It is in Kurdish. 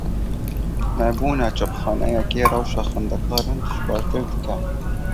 Nebûna çapxaneyekê rewşa xwendekaran dijwartir dike.